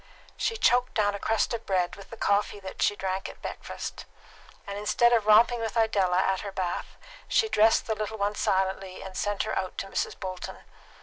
She choked down a crust of bread with the coffee she drank at breakfast, and instead of romping with Idella at her bath, she dressed the little one silently, and sent her out to Mrs. Bolton.